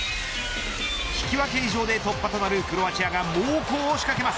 引き分け以上で突破となるクロアチアが猛攻を仕掛けます。